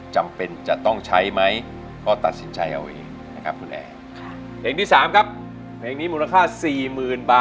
จะหยุดครับ